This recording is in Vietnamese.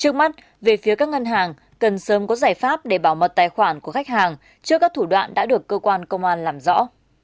trước mắt về phía các ngân hàng cần sớm có giải pháp để bảo mật tài khoản của khách hàng trước các thủ đoạn đã được cơ quan công an làm rõ